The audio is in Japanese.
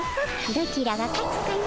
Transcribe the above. どちらが勝つかの。